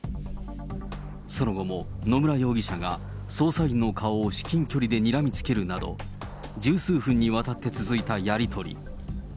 その後も野村容疑者が捜査員の顔を至近距離でにらみつけるなど、十数分にわたって続いたやり取り。